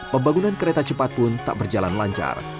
pembangunan kereta cepat pun tak berjalan lancar